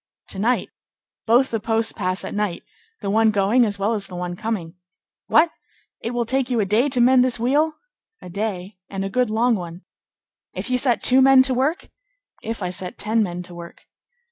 "To night. Both the posts pass at night; the one going as well as the one coming." "What! It will take you a day to mend this wheel?" "A day, and a good long one." "If you set two men to work?" "If I set ten men to work."